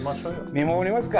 見守りますか！